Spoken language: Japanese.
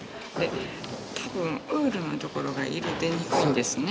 多分ウールの所が色出にくいんですね。